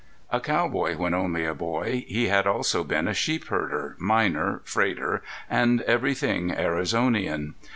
A cowboy when only a boy he had also been sheepherder, miner, freighter, and everything Arizonian.